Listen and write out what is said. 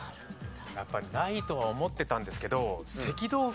やっぱりないとは思ってたんですけど。